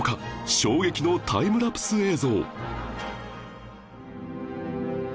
衝撃のタイムラプス映像